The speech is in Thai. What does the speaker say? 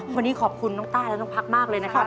วันนี้ขอบคุณน้องต้าและน้องพักมากเลยนะครับ